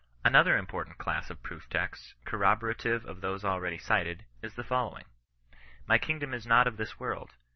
Another important class of proof texts, corroborative of those already cited, is the following: " My kingdom is not of this world.